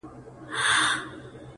• په لامبو کي یې ځان نه وو آزمېیلی ,